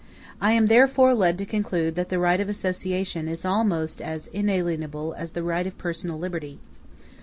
I am therefore led to conclude that the right of association is almost as inalienable as the right of personal liberty.